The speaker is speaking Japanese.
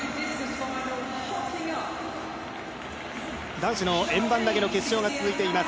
男子の円盤投げの決勝が続いています。